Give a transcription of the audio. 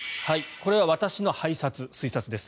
これは私の拝察、推察です。